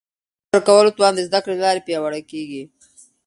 د ژور فکر کولو توان د زده کړي له لارې پیاوړی کیږي.